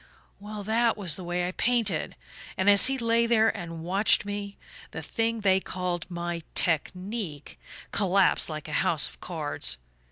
Well that was the way I painted; and as he lay there and watched me, the thing they called my 'technique' collapsed like a house of cards.